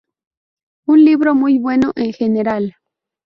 Un libro muy bueno, en general.